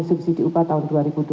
subsidi upah tahun dua ribu dua puluh